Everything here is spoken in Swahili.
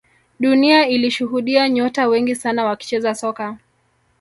dunia ilishuhudia nyota wengi sana wakicheza soka